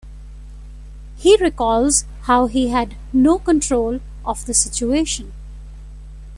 He recalls how he had no control of the situation.